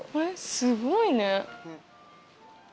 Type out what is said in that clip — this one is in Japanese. すごいね。